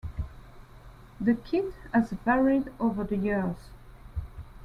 The kit has varied over the years.